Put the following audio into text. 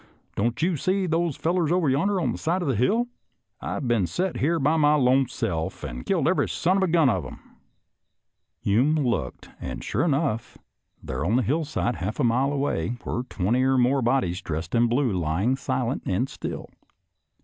Don't you see those fellows over yonder on the side of that hill.'' I've just set here by my lone self and killed every son of a gun of 'em." 116 SOLDIER'S LETTERS TO CHARMING NELLIE Hume looked, and, sure enough, there on the hill side, half a mile away, were twenty or more bodies dressed in blue, lying silent and still.